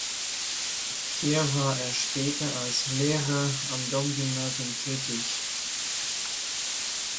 Hier war er später als Lehrer am Domgymnasium tätig.